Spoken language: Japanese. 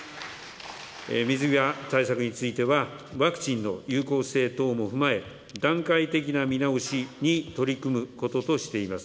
水際対策については、ワクチンの有効性等も踏まえ、段階的な見直しに取り組むこととしています。